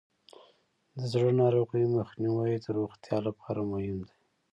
د زړه ناروغیو مخنیوی د روغتیا لپاره مهم دی.